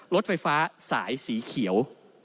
รถไฟฟ้าสายสีเขียว